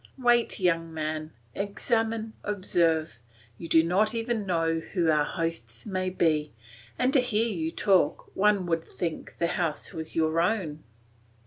Wait, young man; examine, observe. You do not even know who our hosts may be, and to hear you talk one would think the house was your own.